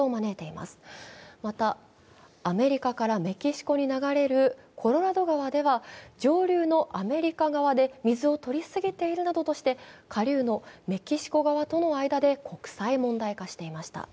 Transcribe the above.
また、アメリカからメキシコに流れるコロラド川では、上流のアメリカ側で水を取りすぎているなどとして下流のメキシコ側との間で国際問題化していました。